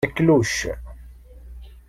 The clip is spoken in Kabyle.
Akluc!